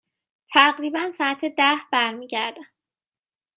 تقریبا ساعت ده برمی گردم.